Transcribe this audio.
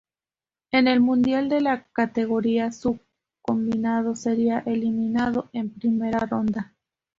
En el mundial de la categoría su combinado sería eliminado en primera ronda.